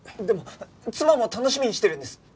でも妻も楽しみにしてるんです